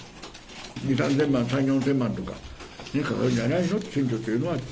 ２、３０００万、３、４０００万とか、かかるんじゃないの、選挙っていうのは。